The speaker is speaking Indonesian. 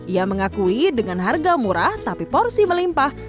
ia mengakui dengan harga murah tapi porsi melimpah